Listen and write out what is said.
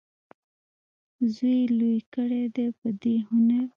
زوی یې لوی کړی دی په دې هنر.